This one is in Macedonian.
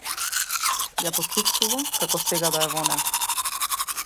Ја почувствува како сега да е во неа.